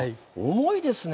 重いですね。